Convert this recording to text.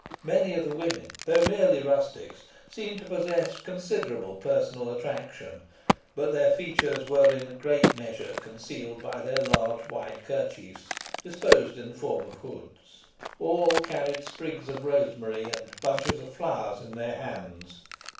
Many of the women, though merely rustics, seemed to possess considerable personal attraction; but their features were in a great measure concealed by their large white kerchiefs, disposed in the form of hoods. All carried sprigs of rosemary and bunches of flowers in their hands.